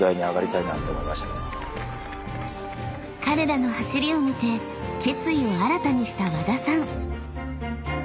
［彼らの走りを見て決意を新たにした和田さん］